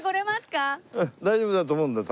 大丈夫だと思うんだよ